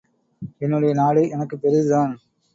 என்னுடைய நாடு எனக்குப் பெரிதுதான்.